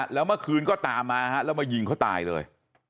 แล้วเมื่อคืนก็ตามมาแล้วมายิงเขาตายเลย